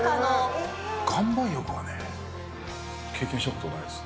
岩盤浴はね、経験したことないですね。